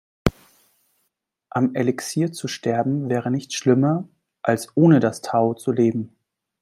Am Elixier zu sterben wäre nicht schlimmer, als ohne das Tao zu leben.